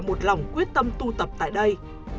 một lòng quyết tâm tu tập tại đây